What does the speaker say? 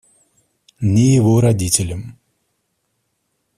Ни его родителям.